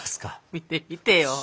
見てみてよ。